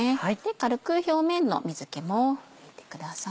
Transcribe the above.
軽く表面の水気も拭いてください。